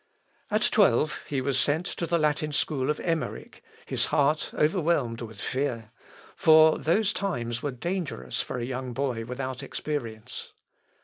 At twelve, he was sent to the Latin school of Emmeric, his heart overwhelmed with fear; for those times were dangerous for a young boy without experience.